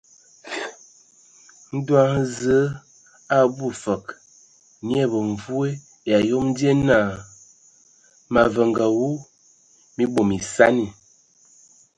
Ndo hm Zǝe a abwi fǝg, nye ai bemvoe ai ayom die naa: Mǝ avenge awu, mii bom esani.